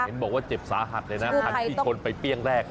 เห็นบอกว่าเจ็บสาหัสเลยนะคันที่ชนไปเปรี้ยงแรก